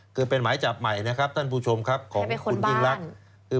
คือเป็นหมายจับใหม่ท่านผู้ชมของคุณจริงลักษณ์